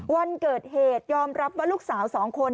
วันเกิดเหตุยอมรับว่าลูกสาวสองคน